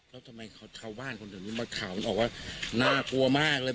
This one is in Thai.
แล้วทำไมเขาเข้าบ้านคนนี้มาข่าวออกว่าน่ากลัวมากเลย